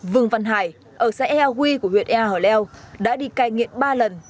vương văn hải ở xã ea huy của huyện ea hở leo đã đi cai nghiện ba lần